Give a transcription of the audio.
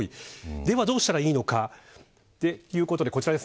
では、どうしたらいいのかということで、こちらです。